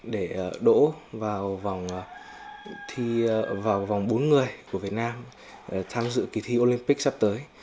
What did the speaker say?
để đổ vào vòng bốn người của việt nam tham dự kỳ thi olympic sắp tới